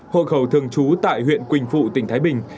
hộ khẩu thường trú tại huyện quỳnh phụ tỉnh thái bình